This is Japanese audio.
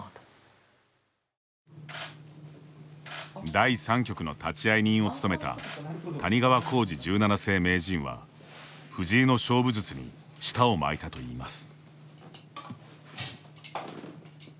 第３局の立会人を務めた谷川浩司十七世名人は藤井の勝負術に舌を巻いたといいます。